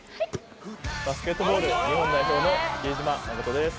バスケットボール日本代表の比江島慎です。